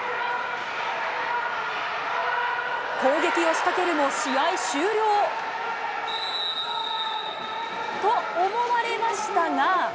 攻撃を仕掛けるも、試合終了。と思われましたが。